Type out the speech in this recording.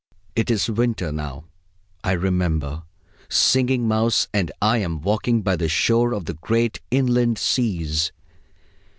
It is winter now, I remember, Singing Mouse, and I am walking by the shore of the great Inland Seas.